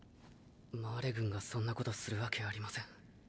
マーレ軍がそんなことするわけありません。